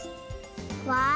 わあ！